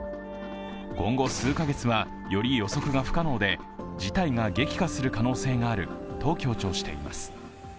今後数カ月は、より予測が不可能で事態が激化する可能性があると強調しています。